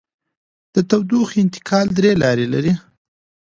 د تودوخې انتقال درې لارې لري.